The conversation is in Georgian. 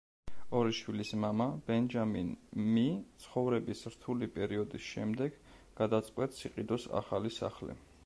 ორი შვილის მამა ბენჯამინ მი ცხოვრების რთული პერიოდის შემდეგ გადაწყვეტს იყიდოს ახალი სახლი.